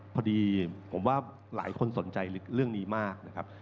พอดีผมว่าหลายคนสนใจเรื่องนี้มากนะครับ